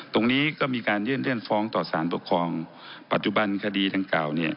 ตรงนี้ก็มีการยื่นเลื่อนฟ้องต่อสารปกครองปัจจุบันคดีดังกล่าวเนี่ย